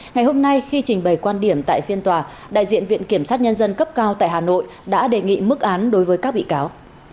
ngày hôm nay khi trình bày quan điểm tại phiên tòa đại diện viện kiểm sát nhân dân cấp cao tại hà nội đã đề nghị mức án đối với các bị cáo